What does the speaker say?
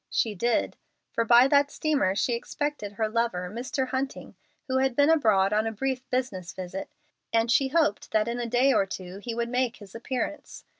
She did, for by that steamer she expected her lover, Mr. Hunting, who had been abroad on a brief business visit, and she hoped that in a day or two he would make his appearance.